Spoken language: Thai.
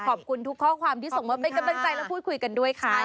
ขอบคุณทุกข้อความที่ส่งมาเป็นกำลังใจและพูดคุยกันด้วยค่ะ